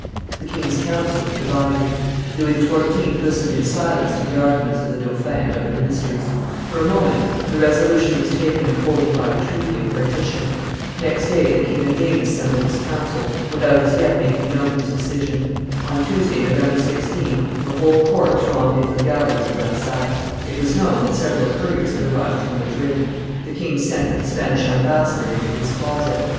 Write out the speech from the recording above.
The king's council was divided; Louis XIV. listened in silence to the arguments of the dauphin and of the ministers; for a moment the resolution was taken of holding by the treaty of partition; next day the king again assembled his council without as yet making known his decision; on Tuesday, November 16, the whole court thronged into the galleries of Versailles; it was known that several couriers had arrived from Madrid; the king sent for the Spanish ambassador into his closet.